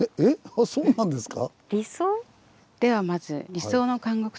あそうなんですか。